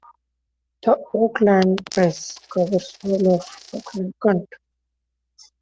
"The Oakland Press" covers all of Oakland County.